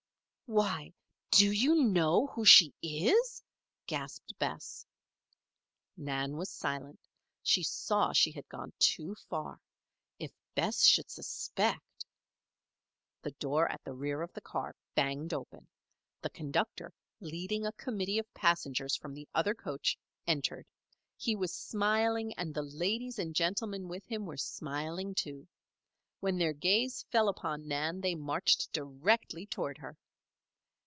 "Why do you know who she is?" gasped Bess. Nan was silent. She saw she had gone too far. If Bess should suspect The door at the rear of the car banged open. The conductor, leading a committee of passengers from the other coach, entered. He was smiling and the ladies and gentlemen with him were smiling, too. When their gaze fell upon Nan they marched directly toward her.